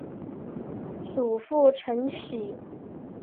祖父陈启。